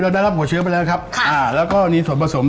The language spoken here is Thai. ได้รับหัวเชื้อไปแล้วครับค่ะอ่าแล้วก็มีส่วนผสม